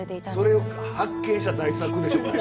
それを発見した大作でしょこれ。